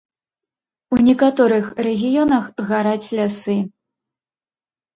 У некаторых рэгіёнах гараць лясы.